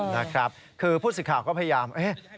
นะครับคือพูดสิทธิ์ข่าก็พยาบ